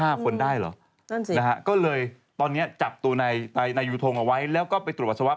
นั่นสินะฮะก็เลยตอนนี้จับตัวในนายุทงเอาไว้แล้วก็ไปตรวจวัตรศวรรษ